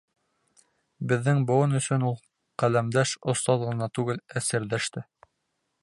Беҙҙең быуын өсөн ул ҡәләмдәш, остаз ғына түгел, ә серҙәш тә.